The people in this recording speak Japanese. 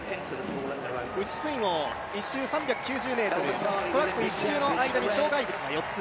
内水濠、１周３９０ｍトラック１周の間に、障害物が４つ。